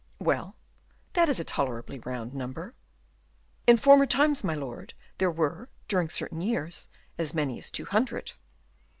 "Well, that is a tolerably round number." "In former times, my lord, there were, during certain years, as many as two hundred."